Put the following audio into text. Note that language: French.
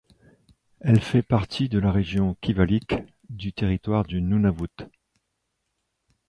Elle fait partie de la région Kivalliq du territoire du Nunavut.